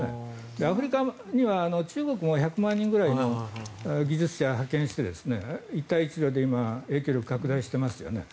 アフリカには中国も１００万人ぐらい技術者を派遣して一帯一路で今影響力を拡大していますよね。